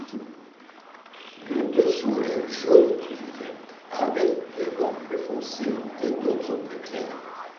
Le dessous est jaune cuivré avec des bandes plus foncées et d'autres plus claires.